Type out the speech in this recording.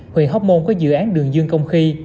huyện hóc môn có dự án đường dương công khê